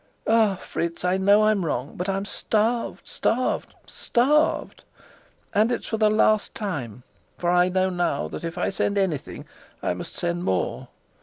Ah, Fritz, I know I'm wrong, but I'm starved, starved, starved! And it's for the last time. For I know now that if I send anything, I must send more.